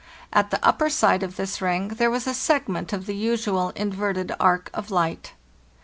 At the upper side of this ring there was a segment of the usual in verted arc of light."